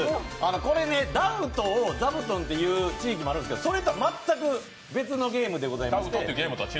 これ、「ダウト」を「ざぶとん」と言う地域があるんですがそれとは全く違った別のゲームでございまして。